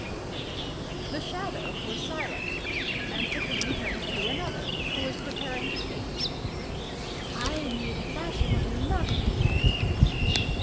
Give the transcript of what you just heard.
The Shadow was silent; and the king turned to another, who was preparing to speak. "I made a fashionable mother repent."